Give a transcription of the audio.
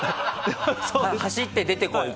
走って出て来い！